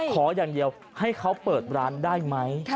ขออย่างเดียวให้เขาเปิดร้านได้ไหม